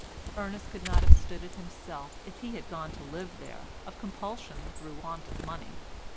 Ernest could not have stood it himself if he had gone to live there of compulsion through want of money.